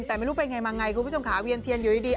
แต่ไม่รู้เป็นไงมาไงคุณผู้ชมขาเวียนเทียนอยู่ดี